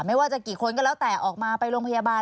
ไม่ว่าจะกี่คนก็แล้วแต่ออกมาไปโรงพยาบาล